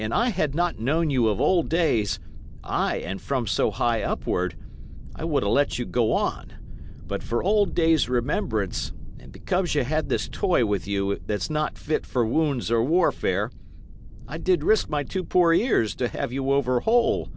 An I had not known you of old days ay, and from so high upward I would 'a' let you go on; but for old days' remembrance, and because ye had this toy with you that's not fit for wounds or warfare, I did risk my two poor ears to have you over whole.